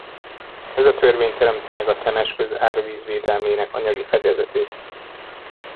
Ez a törvény teremti meg a Temesköz árvízvédelmének anyagi fedezetét.